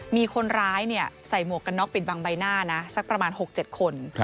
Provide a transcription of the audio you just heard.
มีคนร้ายใส่หมวกกันน็อกปิดบังใบหน้านะสักประมาณ๖๗คน